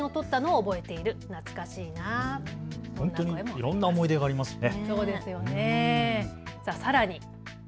いろんな思い出がありますね。